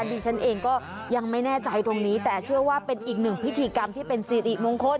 ดิฉันเองก็ยังไม่แน่ใจตรงนี้แต่เชื่อว่าเป็นอีกหนึ่งพิธีกรรมที่เป็นสิริมงคล